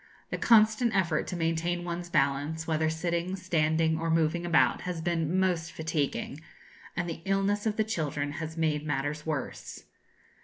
The constant effort to maintain one's balance, whether sitting, standing, or moving about, has been most fatiguing, and the illness of the children has made matters worse.